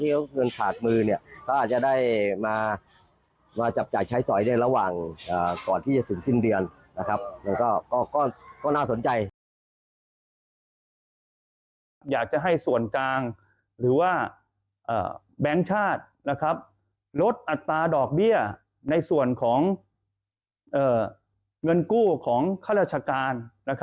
อยากจะให้ส่วนกลางหรือว่าแบงค์ชาติลดอัตราดอกเบี้ยในส่วนของเงินกู้ของข้าราชการ